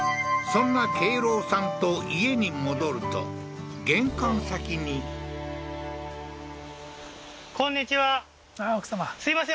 そんな敬郎さんと家に戻ると玄関先にこんにちはすいません